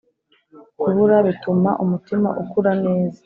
kubura bituma umutima ukura neza.